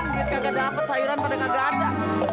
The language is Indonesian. kita gak dapet sayuran pada gak ada